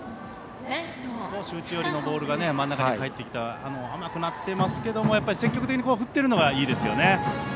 少し内寄りのボール真ん中に入ってきて甘くなってますけども積極的に振っているのがいいですね。